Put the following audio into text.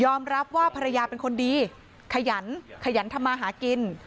รับว่าภรรยาเป็นคนดีขยันขยันทำมาหากิน